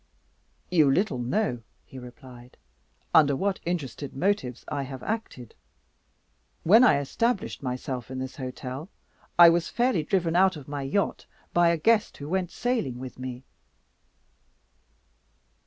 "You little know," he replied, "under what interested motives I have acted. When I established myself in this hotel, I was fairly driven out of my yacht by a guest who went sailing with me."